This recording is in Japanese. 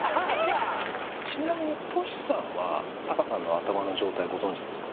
ちなみにトシさんはタカさんの頭の状態をご存じなんですか？